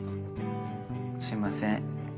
すいません。